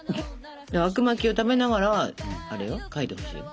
あくまきを食べながらあれよ描いてほしいよ。